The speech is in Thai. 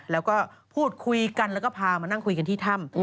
แล้วก็พูดคุยกันแล้วก็พามานั่งคุยกันที่ถ้ำ